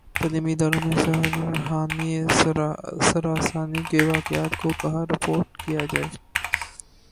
تعلیمی اداروں میں ہراسانی کے واقعات کو کہاں رپورٹ کیا جائے